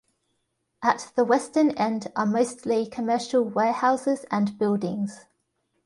At the western end are mostly commercial warehouses and buildings.